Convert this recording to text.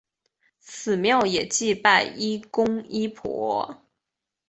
此庙也祭拜医公医婆。